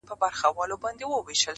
لهشاوردروميګناهونهيېدلېپاتهسي،